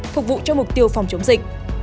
phục vụ cho mục tiêu phòng chống dịch